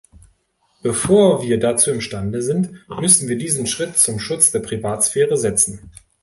Bevor wir dazu imstande sind, müssen wir diesen Schritt zum Schutz der Privatsphäre setzen.